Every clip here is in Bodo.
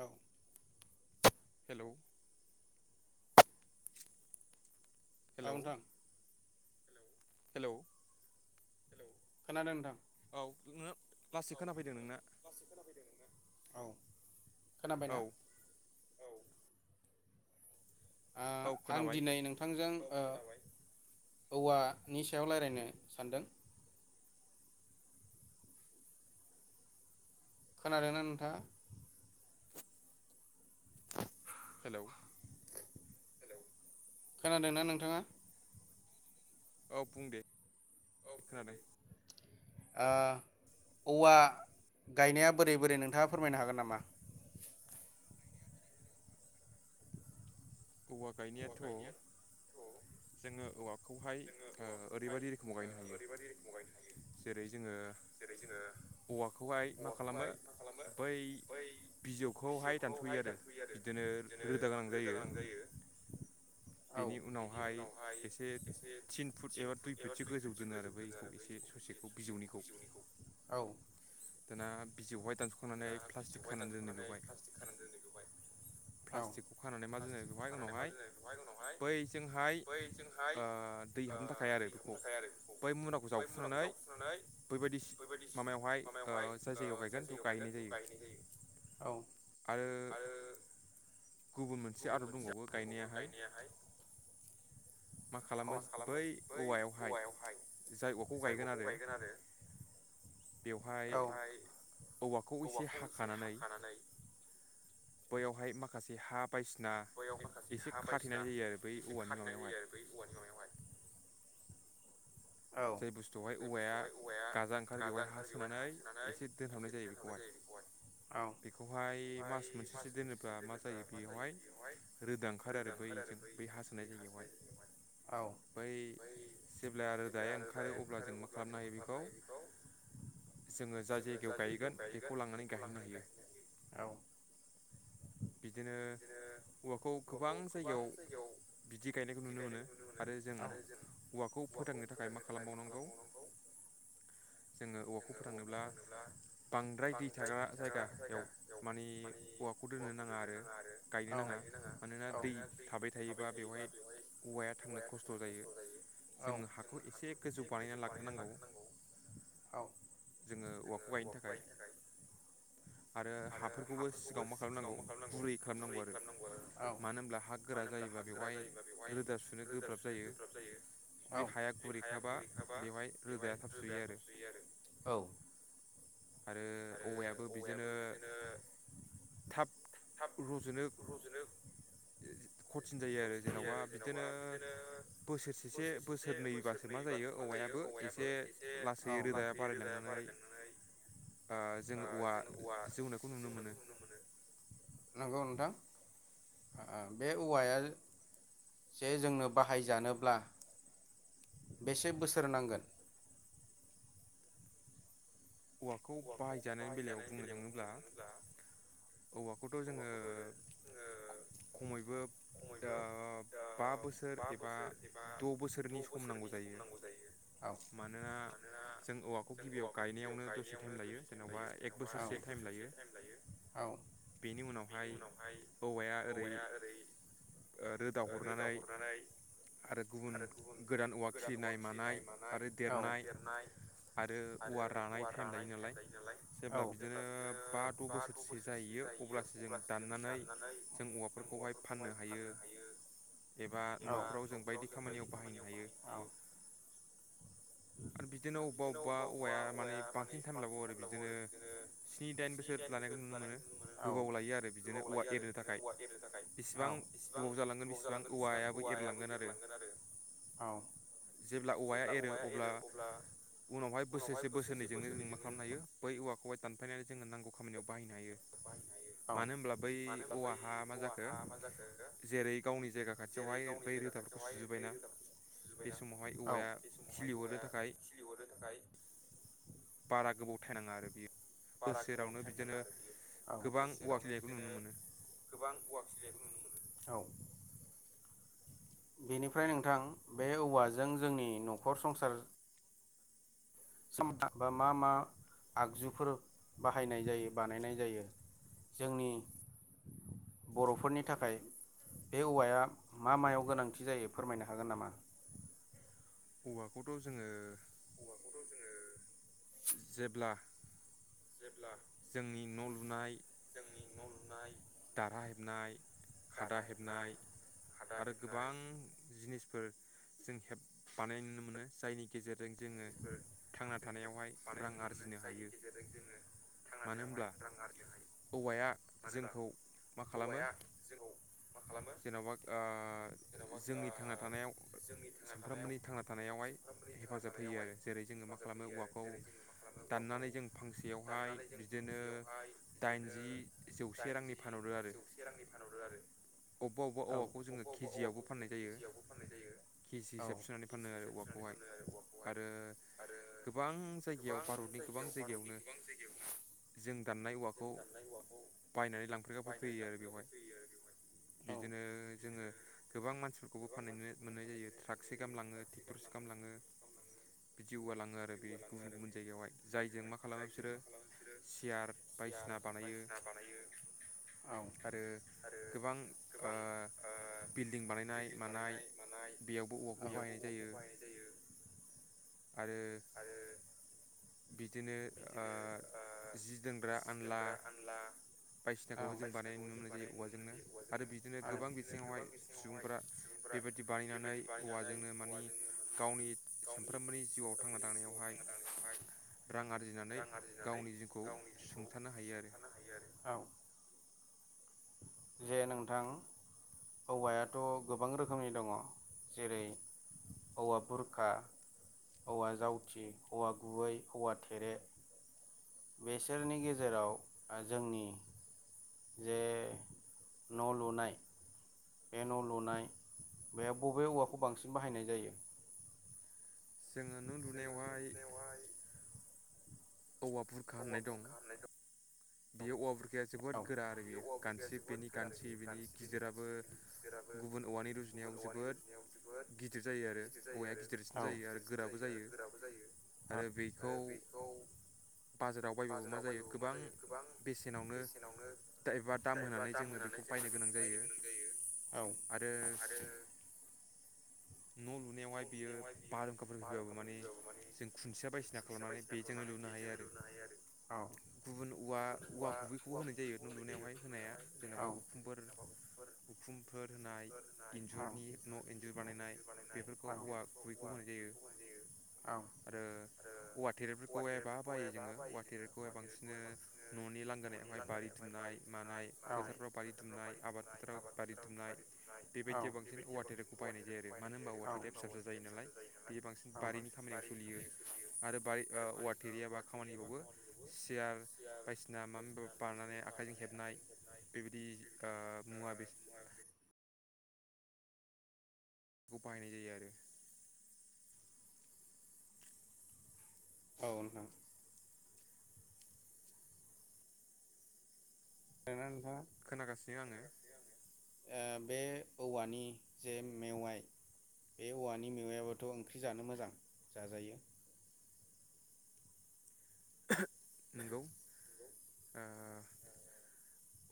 औ [inaudible] औ। औ नोथां। हेलौ। हेलौ खोनादों नोथां। औ, ओंहो लासै खोना फैदों नोंना। औ। खोना बायना? आ-आं दिनै नोंथांजों। ओ औवानि सायाव रायलायनो सानदों। खोनादोंना नोंथाङा? हेलौ। हेलौ खोनादोंना नोंथाङा। औ बुं दे। खोनादों। ओ औवा गायनाया बोरै-बोरै नोंथाङा फोरमायनो हागोन नामा? औवा गायनायाथ'। जोङो औवाखौहाय। ओ ओरैबायदि रोखोमाव गायनो हायो जेरै जोङो औवाखौहाय मा खालामो बै बिजौखौहाय दानसयो आरो बिदिनो रोदा गोनां जायो। बेनि उनावहाय एसे थिन। थिन फुट एबा दुइ फुटसो गोजौ दोनो आरो बैखौ एसे ससेखौ बिजौनिखौ औ। दाना बिजौहाय दानस'खांनानै प्लास्टिक खानानै दोनो बेवहाय प्लास्टिकखौ खानानै मा दोनो बेवहाय उनावहाय बैजोंहाय ओ दै हाबनो थाखाय आरो बेखौ बै मुुराखौ जावखुनानै बैबायदि सि माबायावहाय। ओ जाय जागायाव गायगोन बेव गाय [unintelligible] गायनाय जायो औ आरो गुबुन मोनसे आब दंबावो गायनायाहाय। मा खालामो बै औवायावहाय जाय औवाखौ गायगोन आरो। बेवहाय औवाखौ एसे हाखानानै। बैयावहाय माखासे हा बायदिसिना एसे खाथेनाय जायो आरो बै औवानि माबायावहाय। जाय बुस्थुआवहाय औवाया गाजा ओंखारो बेवहाय हाासोनानै एसे दोनहाबनाय जायो बेखौहाय बेखौहाय मास मोनसेसो दोनोब्ला मा जायो बेयावहाय रोदा ओंखारो आरो बैजों बै हाासोनाय जायगायावहाय बै जेब्ला आरो दायो आं जायो ओंखारो अब्ला जों मा खालामनो हायो बेखौ जोङो जा जायगायाव गायगोन बेखौ लांनानै गायैनो हायो औ‌ बिदिनो औवाखौ गोबां जायगायाव बिदि गायनायखौ नुनो मोनो आरो जों औवाखौ फोथांनो थाखाय मा खालामबावनांगौ जोङो औवाखौ फोथांनोब्ला बांद्राय दै थाग्रा जायगायाव मानि औवाखौ दोननो नाङा आरो गायनो नाङा मानोना दै थाबाय थायोबा बेवहाय औवाया थांनो खस्थ' जायो जोङो हाखौ एसे गोजौ बानायना लाग्रोनांगौ जोङो औवाखौ गायनो थाखाय आरो हाफोरखौबो सिगाङाव माख खालामनांगौ गुरै खालामनांगौ आरो मानो होनब्ला हा गोरा जायोबा बेवहाय रोदा सुनो गोब्राब जायो जुदि हाया गुरैखाबा बेवहाय रोदाया थाब सुयो आरो। आरो औवायाबो बिदिनो थाब रजनो खथिन जायो आरो जेनबा बिदिनो बोसोरसे बोसोरसेसे बोसोरनैबासो मा जायो औवायाबो एसे औ लासै रोदाया बारायलांनानै आ जोङो औवा जौनायखौ नुनो मोनो नोंथां आ आ बे औवाया जे जोंनो बाहायजानोब्ला बेसे बोसोर नांगोन? औवाखौ बाहायजानायनि बेलायाव बुंनो थाङोब्ला औवाखौथ' जोङो ख-खमैबो बा बोसोर एबा द' बोसोरनि सम नांगौ जायो मानोना जों औवाखौ गिबियाव गायनायावनो [unintelligible] जेन'बा एक बोसोरसे टाइम लायो बेनि उनावहाय औवाया ओरै ओ रोदा हरनानै आरो गुबुन गोदान औवा खिलिनाय मानाय आरो देरनाय आरो औवा रानाय जेब्ला बिदिनो बा द' बोसोरसे जायैयो अब्लासो जों दाननानै जों औवाफोरखौहाय फाननो हायो एबा न'फोराव जों बायदि खामानियाव बाहायनो हायो आरो बिदिनो अबबा अबबा औवाया माने बिदिनो स्नि दाइन बोसोर लानायखो नुनो मोनो गोबाव लायो आरो बिदिनो औवा एरनो थाखाय बेसेबां गोबाव जालांगोन बेसेबां औवायाबो एरलांगोन आरो जेब्ला औवाया एरो अब्ला उनावहाय बोसोरसे बोसोरनै इदिनो जों मा खालाम लायो बै औवाखौहाय दानफायनानै जोङो नांगौ खामानियाव बाहायनो हायो मानो होमब्ला बै औवाहा मा जाखो जेरै गावनि जायगा खाथियावहाय बै रोदाफोरखौ सुजोबबायना बे समावहाय औवाया खिलिहरनो थाखाय थाखाय बारा गोबाव बारा गोबाव टाइम नाङा आरो बियो औ बोसोरावनो बिदिनो गोबां औवा खिलिनायबो नुनो मोनो औ बेनिफ्राय नोंथां बे औवाजों जोंनि न'खर संसार [unintelligible] बा मा मा आगजुफोर बाहायनाय जायो बानायनाय जायो जोंनि बर'फोरनि थाखाय बे औवाया मा मायाव गोनांथि जायो फोरमायनो हागोन नामा? औवाखौथ' जोङो औवाखौथ' जोङो जेब्ला जोंनि न'लु लुनाय जोंनि न' लुनाय दारहा हेबनाय खादा हेबनाय आरो गोबां जिनिस फोर जों हेब बानाय नुनो मोनो जायनि गेजेर जों जोङो थांना थानायावहाय रां आरजिनो हायो मानो होमब्ला औवाया जोंखौ औवाया जोंखौ मा खा जेनबा ओ जोंनि थांना थानायाव सामफ्रामबोनि थांना थानायावहाय हेफाजाब होयो आरो जेरै जोङो मा खालामो औवाखौ दाननानै जों फांसेयावहाय बिदिनो दाइनजि जौसे रांनि फानहरो आरो। औ अबबौ फाननाय जायो के जि हिसाब सुनानै फानो आरो औवाखौहाय आरो गोबां जायगायाव भारतनि गोबां जायगायावनो जों दाननाय औवाखौ बायनानै लांफैग्राफोर फैयो आरो बेवहाय। बिदिनो जोङो गोबां मानसिफोरखौबो फाननाय नुयो मोननाय जायो थ्राकसे गाहाम लाङो टेक्टरसे गाहाम लाङो बिदि औवा लाङो आरो बे गुबुन गुबुन जायगायावहाय जायजों मा खालामो बिसोरो सियार बायदिसिना बानायो आरो गोबां गोबां ओ डिं बानायनाय मानाय बेयावबो औवाखौ बाहायनाय जायो आरो बिदिनो ओ जि दोनग्रा ओनला बायदिसिनाखौबो जों बानायनाय नुनो मोननाय जायो औवाजोंनो आरो बिदिनो गोबां बिथिङावहाय सुबुंफोरा बेबायदि बानायनानै औवाजोंनो मानि गावनि सानफ्रोमबोनि जिउआव थांना थानायावहाय रां आरजिनानै गावनि जिउखौ सुंथानो हायो आरो। जे नोंथां औवायाथ' गोबां रोखोमनि दङ जेरै औवा बुरखा औवा जावथि औवा गुबै औवा थेरे बेसोरनि गेजेराव ओ जोंनि जे न' लुनाय बे न' लुनाय बे बबे औवाखौ बांसिन बाहायनाय जायो? जोङो न' लुनायावहाय औवा बुरखा होननाय दं बेयो औवा बुरखाया जोबोद गोरा आरो बेयो गान्थि बेनि गान्थि बेनि गिदिराबो गुबुन औवानि रुजुनायाव जोबोद गिदिर जायो आरो औवाया गिदिरसिन जायो आरो गोराबो जायो आरो बेखौ बाजाराव बायबावो मा जायो गोबां बेसेनावनो दा एबा दाम होनानै जोङो बेखौ बायनो गोनां जायो औ आरो न' लुनायावहाय बियो बारहुंखाफोर फैबाबो माने जों खुन्थिया बायसिना खालामनानै बेजोंनो लुनो हायो आरो गुबुन उवा उवा गुबैखौबो होनाय जायो न' लुनायावहाय होनाया जेनेबा उखुफोर उखुमफोर होनाय इन्जुरनि न' इन्जुर बानायनाय बेफोर खौ औवा गुबैखौ होनाय जायो आरो औवा थेरेफोरखौहाय बा बायो जोङो औवा थेरेखौहाय बांसिननो न'नि लांगोनायावहाय बारि दुमनाय मानाय फोथारफ्राव बारि दुमनाय आबाद फोथाराव बारि दुमनाय बेबायदियाव बांसिन औवा थेरेखौ बाहायनाय जायो आरो। होमबा औवा तेरे जायोलाय बेयो बांसिन बारिनि खामानियाव सोलियो आरो बारि ओ औवा थेरेया मा खामानि होबावयो सियार बायदिसिना माबबा माबि बानायनानै आखाइजों हेबनाय बेबायदि ओ मुवा बेसाद खौ बाहायनाय जायो आरो। औ नोंथां। [unintelligible] खोनागासिनो आङो ओ बे औवानि जे मेवाय बे औवानि मेवायाबथ' ओंख्रि जानो मोजां जाजायो नोंगौ ओ।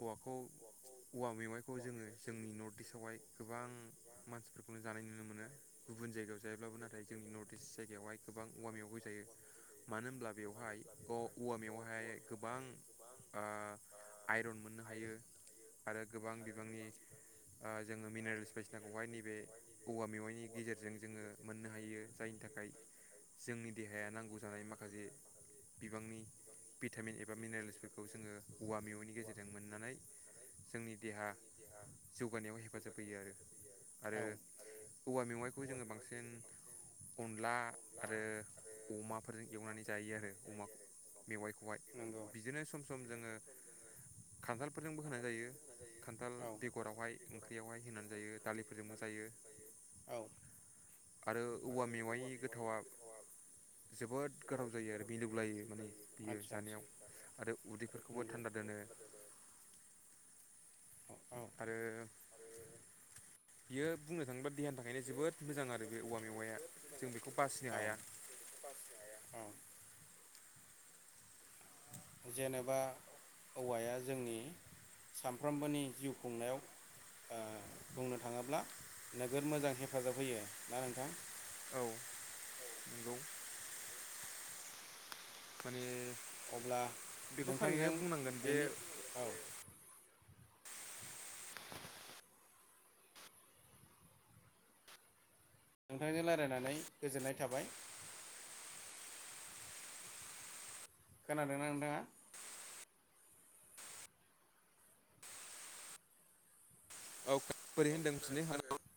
औवाखौ औवा मेवाइखौ जोङो जोंनि नर्थ इस्ट आवहाय गोबां मानसिफोरखौनो जानाय नुनो मोनो गुबुन जायगायाव जायाब्लाबो नाथाय जोंनि नर्थ इस्ट जायगायावहाय गोबां औवा मेवाइखौ जायो मानो होनब्ला बेवहाय औवा मेवाइ हाय गोबां ओ आइरन मोननो हायो आरो गोबां बिबांनि ओ जोङो मिनारेल्स बायदिसिनाखौहाय नैबे औवा मेवाइनि गेजेरजों जोङो मोननो हायो जायनि थाखाय जोंनि देहाया नांगौ जानाय माखासे बिबांनि भिटामिन एबा मिनारेल्सफोरखौ जोङो औवा मेवायनि गेजे होननानै जोंनि देहा जौगानायाव हेफाजाब होयो आरो आरो औवा मेवाइखौ जोङो बांसिन अनला आरो अमाफोरजों एवनानै जायो आरो अमा मेवाइखौहाय बिदिनो सम सम जोङो खान्थाल फोरजोंबो होनान जायो खान्थाल बेगरावहाय ओंख्रियावहाय होनानै जायो दालिफोरजोंबो जायो आरो औवा मेवाइ गोथावा जोबोद गोथाव जायो आरो मिलौलायो माने बेयो जानायाव आरो उदैफोरखौबो थान्दा दोनो आरो बियो बुंनो थाङोबा देहानि थाखायनो जोबोद मोजां आरो बे औवा मेवाया जों बेखौ बासिनो हाया। जेनेबा औवाया जोंनि सामफ्रोमबोनि जिउ खुंनायाव ओ बुंनो थाङोब्ला नोगोद मोजां हेफाजाब होयो ना नोंथां? माने अब्ला बेखौ फारैनो बुंनांगोन जे नोंथांजों रायलायनानै गोजोननाय थाबाय। खोनादोंना नोंथाङा? औ खो बोरै होनदों होनफिननो [unintelligible]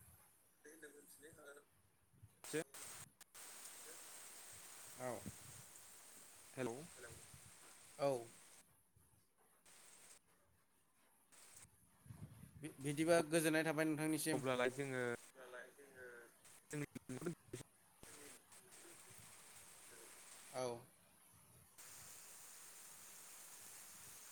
[inaudible] [unintelligible] औ। हेल' औ बिदिबा गोजोननाय थाबाय नों अब्लालाय जोङो औ।